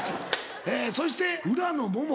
そして浦野モモ。